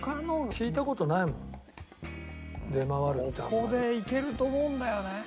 ここでいけると思うんだよね。